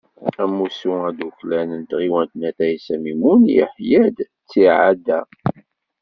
Amussu adukklan n tɣiwant n Ayt Ɛisa Mimun, yeḥya-d ttiɛad-a.